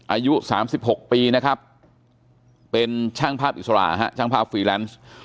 อายุ๓๖ปีนะครับเป็นช่างภาพอิสระฮะช่างภาพฟรีแลนซ์